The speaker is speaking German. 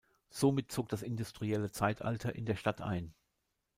Somit zog das industrielle Zeitalter in der Stadt ein.